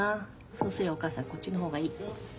そうすりゃお母さんこっちの方がいい。